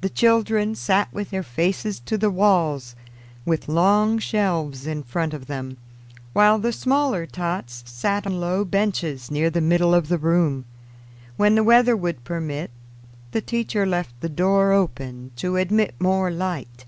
The children sat with their faces to the walls, with long shelves in front of them, while the smaller tots sat on low benches near the middle of the room. When the weather would permit, the teacher left the door open to admit more light.